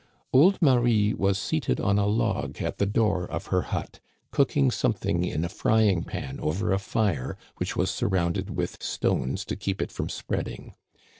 Old Marie was seated on a log at the door of her hut, cooking something in a frying pan over a fire which was surrounded with stones to keep it from spreading.